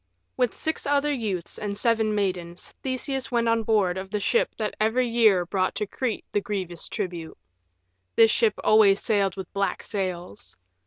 With six other youths and seven maidens Theseus went on board of the ship that every year brought to Crete the grievous tribute. This ship always sailed with black sails.